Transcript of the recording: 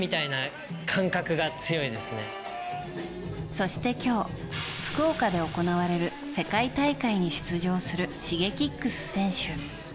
そして今日、福岡で行われる世界大会に出場するＳｈｉｇｅｋｉｘ選手。